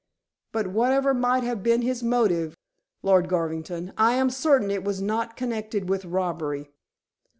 But whatever might have been his motive, Lord Garvington, I am certain it was not connected with robbery."